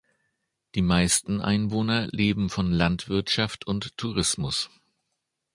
Die meisten Einwohner leben von Landwirtschaft und Tourismus.